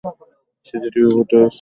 CCTV ফুটেজে স্পষ্ট দেখা যাচ্ছে।